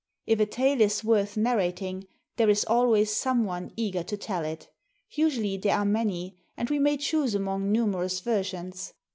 If a tale is worth nar rating, there is always some one eager to tell it; usually there are many, and we may choose among numerous versions.